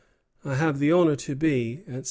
I have the honor to be, etc.